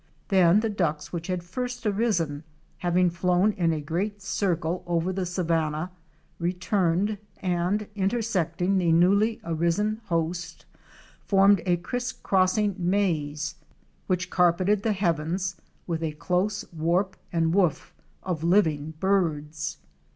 Then the Ducks which had first arisen, having flown in a great circle over the savanna, returned, and intersecting the newly arisen host, formed a criscrossing maze which carpeted the heavens with a close warp and woof of living birds.